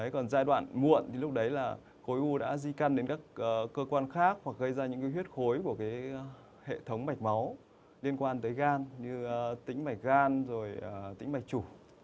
còn giai đoạn muộn thì lúc đấy là khối u đã di căn đến các cơ quan khác hoặc gây ra những huyết khối của hệ thống mạch máu liên quan tới gan như tính mạch gan rồi tĩnh mạch chủ